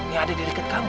yang ada di dekat kamu